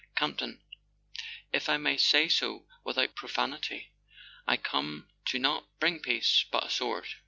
Campton—if I may say so without profanity—I come to bring not Peace but a Sword!"